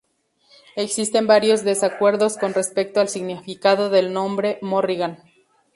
Existen varios desacuerdos con respecto al significado del nombre "Morrigan".